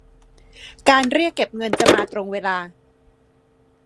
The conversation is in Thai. การเรียกเก็บเงินจะมาตรงเวลา